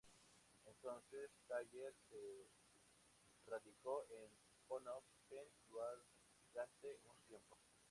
Entonces Thayer se radicó en Phnom Penh durante un tiempo.